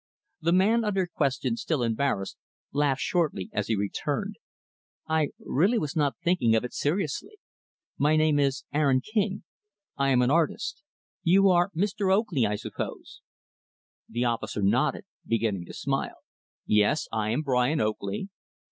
The man under question, still embarrassed, laughed shortly, as he returned, "I really was not thinking of it seriously. My name is Aaron King. I am an artist. You are Mr. Oakley, I suppose." The officer nodded beginning to smile. "Yes, I am Brian Oakley."